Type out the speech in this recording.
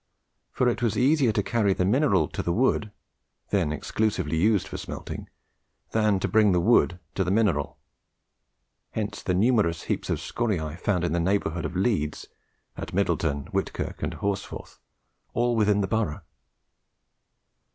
For it was easier to carry the mineral to the wood then exclusively used for smelting' than to bring the wood to the mineral. Hence the numerous heaps of scoriae found in the neighbourhood of Leeds, at Middleton, Whitkirk, and Horsforth all within the borough.